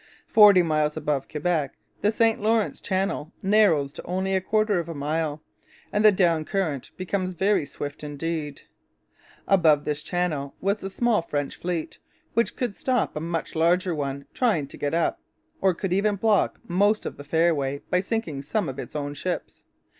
Forty miles above Quebec the St Lawrence channel narrows to only a quarter of a mile, and the down current becomes very swift indeed. Above this channel was the small French fleet, which could stop a much larger one trying to get up, or could even block most of the fairway by sinking some of its own ships.